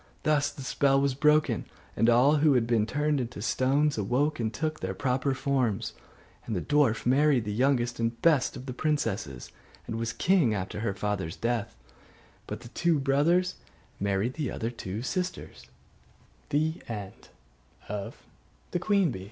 Thus the spell was broken, and all who had been turned into stones awoke, and took their proper forms. And the dwarf married the youngest and the best of the princesses, and was king after her father's death; but his two brothers married the other two siste